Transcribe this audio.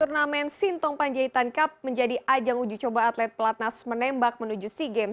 turnamen sintong panjaitan cup menjadi ajang uji coba atlet pelatnas menembak menuju sea games